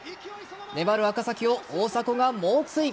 粘る赤崎を大迫が猛追。